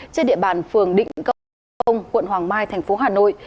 trên địa bàn phường định công quận hoàng mai tp hà nội